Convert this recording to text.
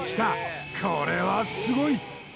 これはすごい！